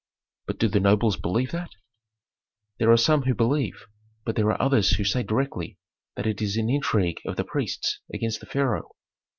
"But do the nobles believe that?" "There are some who believe, but there are others who say directly that it is an intrigue of the priests against the pharaoh."